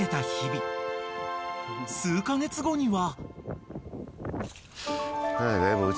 ［数カ月後には］